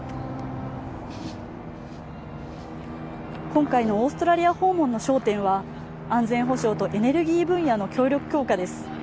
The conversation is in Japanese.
今回のオーストラリア訪問の焦点は安全保障とエネルギー分野の協力強化です